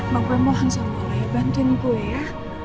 mak gue mohon sama allah ya bantuin gue ya